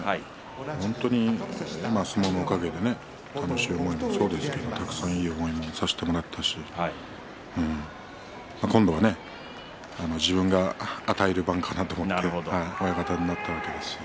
本当に相撲のおかげで楽しい思いもいい思いもたくさんさせてもらったし今度は自分が与える番かなと思って親方になったわけです。